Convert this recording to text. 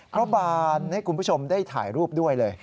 บานให้คุณผู้ชมได้ถ่ายรูปด้วยเลย